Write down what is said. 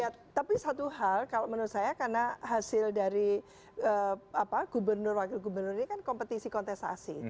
ya tapi satu hal kalau menurut saya karena hasil dari gubernur wakil gubernur ini kan kompetisi kontestasi